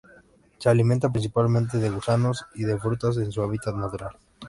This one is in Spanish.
Se alimenta principalmente de gusanos y de frutas en su hábitat natural.